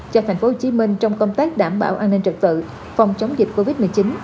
cho thành phố hồ chí minh trong công tác đảm bảo an ninh trật tự phòng chống dịch covid một mươi chín